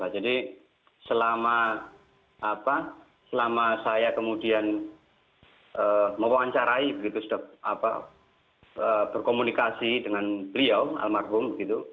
jadi selama saya kemudian mewawancarai berkomunikasi dengan beliau almarhum